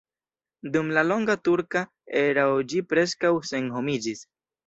Dum la longa turka erao ĝi preskaŭ senhomiĝis.